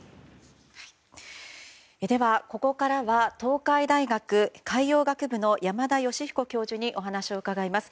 ではここからは東海大学海洋学部の山田吉彦教授にお話を伺います。